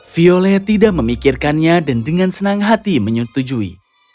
violeh tidak memikirkannya dan dengan senang hati menyetujui